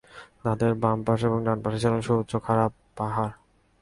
তাদের বাম পাশে ও ডান পাশে ছিল সুউচ্চ খাড়া পাহাড়।